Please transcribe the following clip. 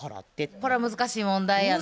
これは難しい問題やな。